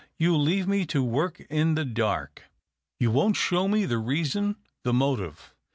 You leave me to work in the dark. You won't show me the reason, the motive.